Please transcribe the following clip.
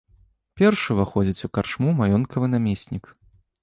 Першы ўваходзіць у карчму маёнткавы намеснік.